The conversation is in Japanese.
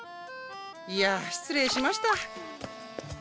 いや失礼しました。